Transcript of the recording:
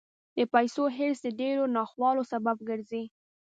د پیسو حرص د ډېرو ناخوالو سبب ګرځي.